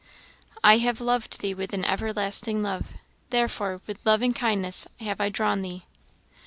" 'I have loved thee with an everlasting love; therefore with loving kindness have I drawn thee.'